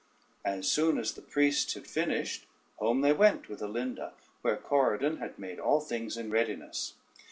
As soon as the priest had finished, home they went with Alinda, where Corydon had made all things in readiness.